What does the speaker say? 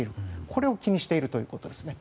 これを気にしているということですね。